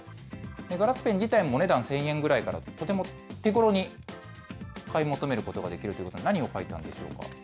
ガラスペン自体もお値段１０００円ぐらいから、とても手ごろに買い求めることができるということで、何を書いたんでしょうか？